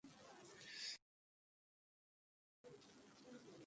বিদা, আব্বু!